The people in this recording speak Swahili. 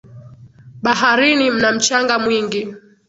Baharini mna mchanga mwingi.